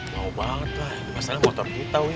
mau banget lah masalahnya motor kita